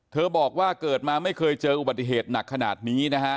บอกว่าเกิดมาไม่เคยเจออุบัติเหตุหนักขนาดนี้นะฮะ